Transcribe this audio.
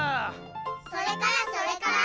それからそれから？